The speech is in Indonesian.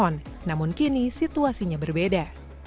namun kini situasinya berbeda